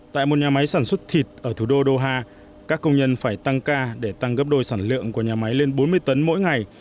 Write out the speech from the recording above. tại một nhà máy sản xuất thịt ở thủ đô doha các công nhân phải tăng ca để tăng gấp đôi sản lượng của nhà máy lên bốn mươi tấn mỗi ngày